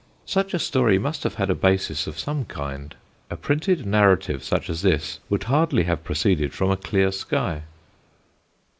Such a story must have had a basis of some kind. A printed narrative such as this would hardly have proceeded from a clear sky.